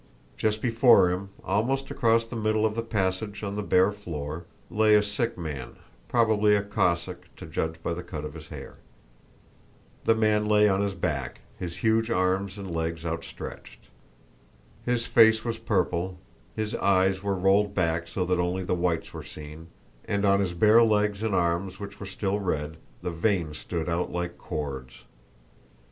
Just before him, almost across the middle of the passage on the bare floor, lay a sick man, probably a Cossack to judge by the cut of his hair. The man lay on his back, his huge arms and legs outstretched. His face was purple, his eyes were rolled back so that only the whites were seen, and on his bare legs and arms which were still red, the veins stood out like cords.